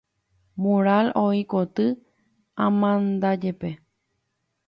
Mural oĩ koty amandajépe.